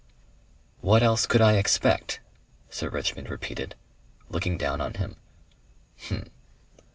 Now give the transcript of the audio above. '" "What else could I expect?" Sir Richmond repeated, looking down on him. "H'm!"